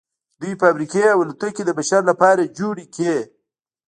دوی فابریکې او الوتکې د بشر لپاره جوړې کړې